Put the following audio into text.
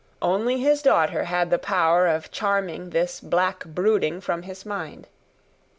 Only his daughter had the power of charming this black brooding from his mind.